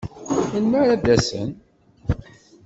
Melmi ad d-asen?